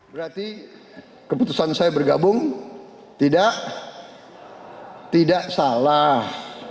berarti keputusan saya bergabung tidak salah